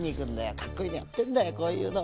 かっこいいのやってんだよこういうのをさ。